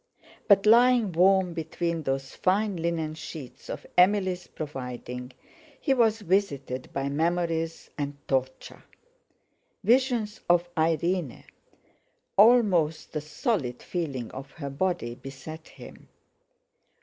But, lying warm between those fine linen sheets of Emily's providing, he was visited by memories and torture. Visions of Irene, almost the solid feeling of her body, beset him.